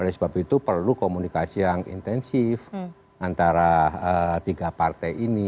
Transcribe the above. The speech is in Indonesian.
oleh sebab itu perlu komunikasi yang intensif antara tiga partai ini